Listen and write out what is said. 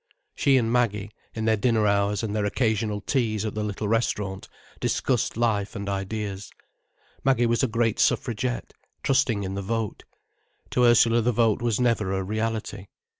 She and Maggie, in their dinner hours and their occasional teas at the little restaurant, discussed life and ideas. Maggie was a great suffragette, trusting in the vote. To Ursula the vote was never a reality.